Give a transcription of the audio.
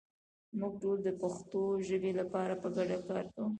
موږ ټول د پښتو ژبې لپاره په ګډه کار کوو.